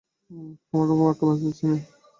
তোমাকে বোকা বানাচ্ছি না।